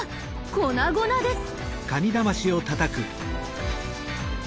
粉々です。